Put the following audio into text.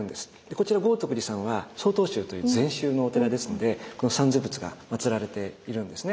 こちら豪徳寺さんは曹洞宗という禅宗のお寺ですのでこの三世仏がまつられているんですね。